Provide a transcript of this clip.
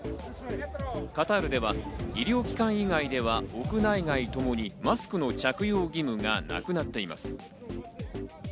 カタールでは医療機関以外では国内外ともにマスクの着用義務がなくなっています。